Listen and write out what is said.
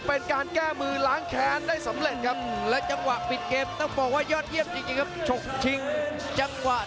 เป็นการแก้มือล้างแขนได้สำเร็จครับอืมและจังหวะปิดเกมต้องบอกว่ายอดเยี่ยมจริงจริงครับ